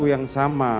waktu yang sama